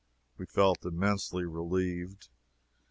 We felt immensely relieved.